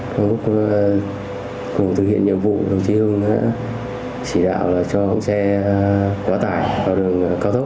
trong lúc cùng thực hiện nhiệm vụ đồng chí hương đã chỉ đạo cho những xe quá tải vào đường cao tốc